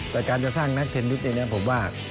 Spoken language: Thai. แต่การจะสร้างนักเทรนดิสนี่เนี่ยผมว่า